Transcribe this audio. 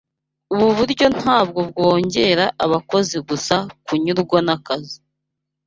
Ubu buryo ntabwo bwongera abakozi gusa kunyurwa nakazi